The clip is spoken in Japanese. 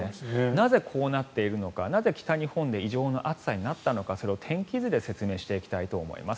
なぜ、こうなっているのかなぜ、北日本で異常な暑さになったのかそれを天気図で説明していきたいと思います。